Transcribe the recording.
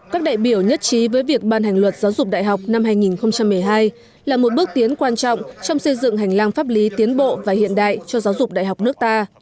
các đại biểu nhất trí với việc ban hành luật giáo dục đại học năm hai nghìn một mươi hai là một bước tiến quan trọng trong xây dựng hành lang pháp lý tiến bộ và hiện đại cho giáo dục đại học nước ta